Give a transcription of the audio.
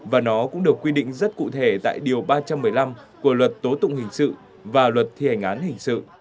và nó cũng được quy định rất cụ thể tại điều ba trăm một mươi năm của luật tố tụng hình sự và luật thi hành án hình sự